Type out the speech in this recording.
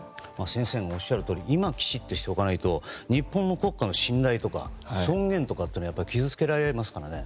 先生もおっしゃるとおり今、きちっとしておかないと日本の国家の信頼とか尊厳とかが傷つけられますからね。